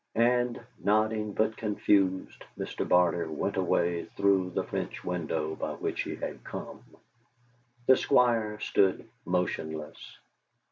And, nodding but confused, Mr. Barter went away through the French window by which he had come. The Squire stood motionless.